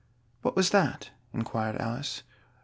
"What was that?" inquired Alice.